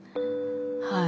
はい。